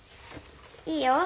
いいよ。